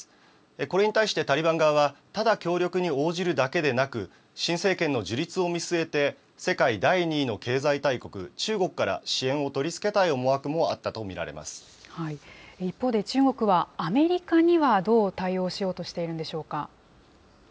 これに対してタリバン側は、ただ、協力に応じるだけでなく、新政権の樹立を見据えて、世界第２の経済大国、中国から支援を取り付け一方で、中国はアメリカにはどう対応しようとしているんでしょうか。